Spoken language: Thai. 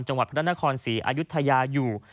จังหวัดพระนครศรีอายุทยาอยู่